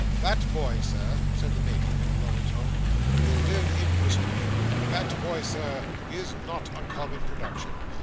That boy, Sir," said the Major in a lower tone, "will live in history. That boy, Sir, is not a common production.